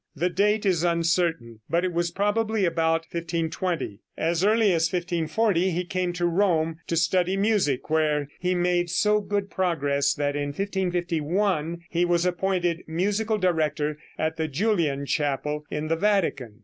The date is uncertain, but it was probably about 1520. As early as 1540 he came to Rome to study music, where he made so good progress that in 1551 he was appointed musical director at the Julian chapel in the Vatican.